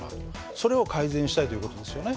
それを改善したいという事ですよね。